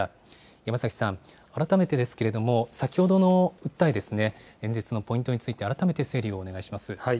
山崎さん、改めてですけれども、先ほどの訴えですね、演説のポイントについて、改めて整理をお願いします。